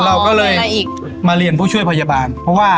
เรามาเรียนผู้ช่วยพยาบาล